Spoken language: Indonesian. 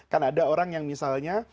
kan ada orang yang misalnya